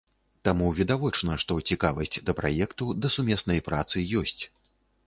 Таму відавочна, што цікавасць да праекту, да сумеснай працы ёсць.